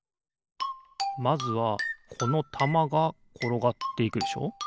まずはこのたまがころがっていくでしょ。